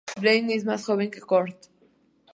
Blaine es más joven que Kurt?